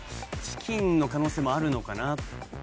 チキンの可能性もあるのかな。